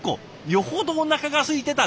よほどおなかがすいてたんですね。